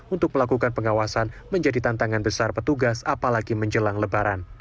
untuk melakukan pengawasan menjadi tantangan besar petugas apalagi menjelang lebaran